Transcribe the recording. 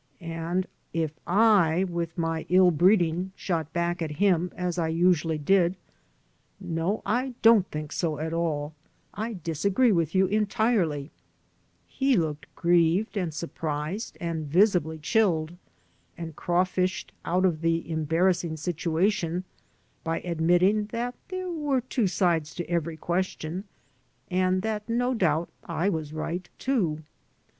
And if I, 223 AN AMERICAN IN THE MAKING with my m breeding, shot back at him, as I usually did, '^No, I donH think so at all; I disagree with you entirely/' he looked grieved and surprised and visibly chilled, and crawfished out of the embarrassing situa tion by admitting that there were two sides to every question, and that no doubt I was right, too.